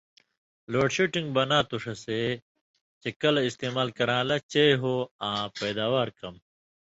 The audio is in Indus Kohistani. لوڈ شیڈِن٘گ بناں تھو ݜسے چے کلہۡ استعمال کران٘لہ چئ ہوں آں پَیداوار کم